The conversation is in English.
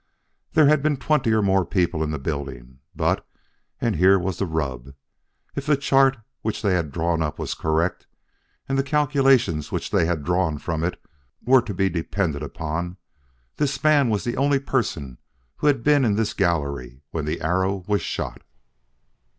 There had been twenty or more people in the building, but and here was the rub if the chart which they had drawn up was correct and the calculations which they had drawn from it were to be depended upon, this man was the only person who had been in this gallery when the arrow was shot.